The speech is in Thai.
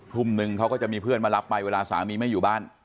ทุ่มนึงเขาก็จะมีเพื่อนมารับไปเวลาสามีไม่อยู่บ้าน